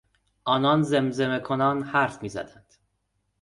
آنان زمزمه کنان حرف میزدند.